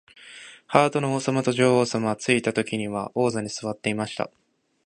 ハートの王さまと女王さまは、ついたときには玉座にすわっていました。